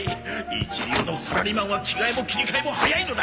一流のサラリーマンは着替えも切り替えも早いのだ！